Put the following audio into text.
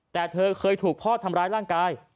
แต่เธอเคยถูกพ่อทำร้ายร่างกาย